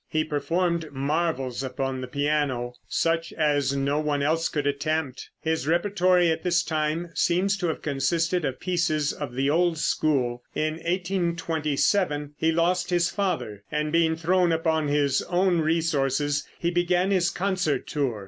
He performed marvels upon the piano, such as no one else could attempt. His repertory at this time seems to have consisted of pieces of the old school. In 1827 he lost his father, and being thrown upon his own resources, he began his concert tour.